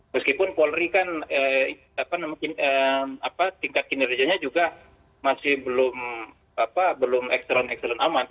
meskipun polri kan tingkat kinerjanya juga masih belum ekstern ekstern amat